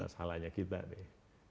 nah salahnya kita nih